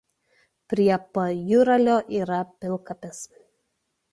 Prie Pajūralio yra pilkapis.